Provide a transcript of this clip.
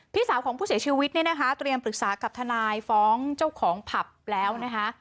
พี่สาวของผู้เสียชีวิตเนี่ยนะคะเตรียมปรึกษากับทนายฟ้องเจ้าของผับแล้วนะคะ